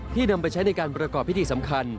นำไปใช้ในการประกอบพิธีสำคัญ